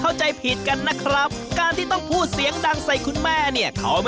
ทำไมแม่เอาแฟนมาอยู่ที่นี่น่ะคะ